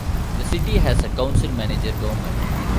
The city has a council-manager government.